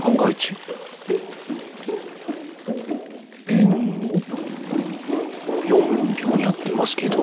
ペンをぴょんぴょんやってますけど。